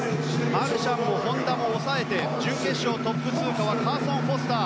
マルシャンも本多も抑えて準決勝トップ通過はカーソン・フォスター。